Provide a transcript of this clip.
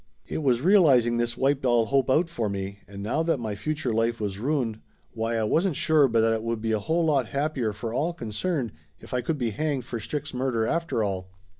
It was realizing this wiped all hope out for me, and now that my future life was ruined, why I wasn't sure but that it would be a whole lot happier for all concerned if I could be hanged for Strick's murder after all.